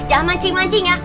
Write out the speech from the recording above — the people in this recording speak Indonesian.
jangan mancing mancing ya